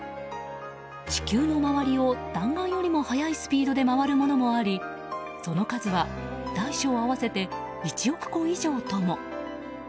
地球の周りを弾丸よりも速いスピードで回るものもありその数は大小合わせて１億個以上とも。